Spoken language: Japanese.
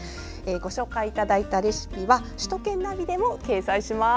ご紹介いただいたレシピは首都圏ナビでも掲載します。